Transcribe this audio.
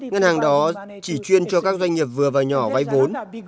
ngân hàng đó chỉ chuyên cho các doanh nghiệp vừa và nhỏ vay vốn